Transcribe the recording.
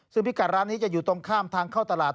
ซึ่งพิกัดร้านนี้จะอยู่ตรงข้ามทางเข้าตลาด